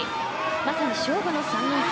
まさに勝負の３連戦。